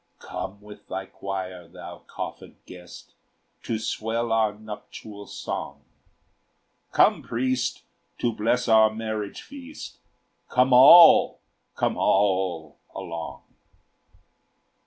"Come with thy choir, thou coffined guest, To swell our nuptial song! Come, priest, to bless our marriage feast! Come all, come all along!"